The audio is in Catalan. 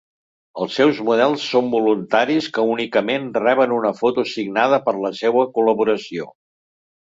Els seus models són voluntaris que únicament reben una foto signada per la seua col·laboració.